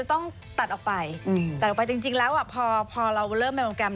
ต้องตัดออกไปตัดออกไปจริงแล้วพอเราเริ่มในโปรแกรม